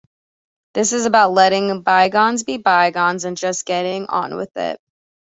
This is about letting bygones be bygones and just getting on with it.